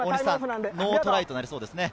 ノートライとなりそうですね。